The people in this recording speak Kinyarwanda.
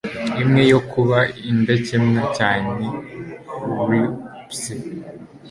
Imwe yo kuba indakemwa cyane rwpse